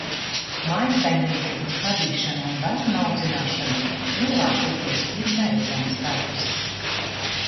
Mājsaimniecības vadīšana un bērnu audzināšana lielākoties ir neredzams darbs.